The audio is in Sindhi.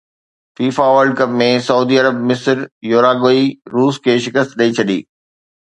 فيفا ورلڊ ڪپ ۾ سعودي عرب مصر، يوراگوئي روس کي شڪست ڏئي ڇڏي